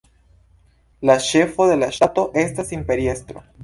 La ĉefo de la ŝtato estas imperiestro.